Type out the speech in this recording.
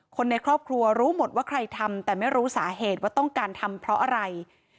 คนในครอบครัวรู้หมดว่าใครทำแต่ไม่รู้สาเหตุว่าต้องการทำเพราะอะไร